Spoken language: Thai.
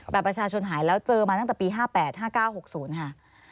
ประชาชนหายแล้วเจอมาตั้งแต่ปี๕๘๕๙๖๐ค่ะ